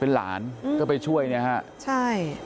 เป็นหลานก็ไปช่วยเนี่ยฮะใช่